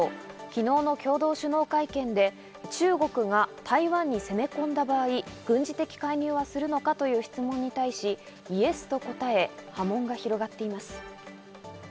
昨日の共同首脳会見で中国が台湾に攻め込んだ場合、軍事的介入はするのかという質問に対し、イエスと答え、波紋が広がっています。